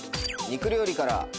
肉料理から。